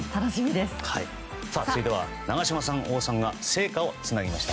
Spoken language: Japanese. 続いて長嶋さん、王さんが聖火をつなぎました。